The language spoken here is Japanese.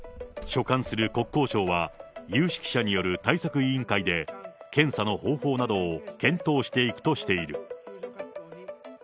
所管する国交省は、有識者による対策委員会で、検査の方法などを検討していくとしている。